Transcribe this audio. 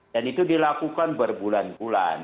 dan itu dilakukan berbulan bulan